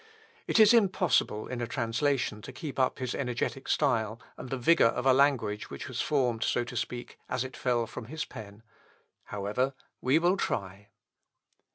It is impossible, in a translation, to keep up his energetic style, and the vigour of a language which was formed so to speak, as it fell from his pen; however, we will try.